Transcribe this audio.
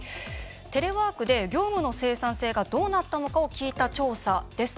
テレワークで業務の生産性がどうなったのかを聞いた調査です。